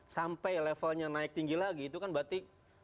sampai levelnya naik tinggi lagi itu kan berarti